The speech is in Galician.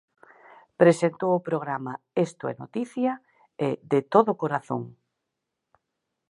Presentou o programa "Esto é noticia" e "De todo corazón".